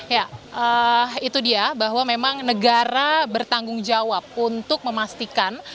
ya itu dia bahwa memang negara bertanggung jawab untuk memastikan